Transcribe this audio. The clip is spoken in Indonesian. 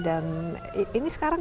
dan ini sekarang